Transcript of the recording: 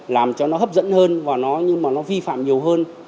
làm cho nó hấp dẫn hơn và nó vi phạm nhiều hơn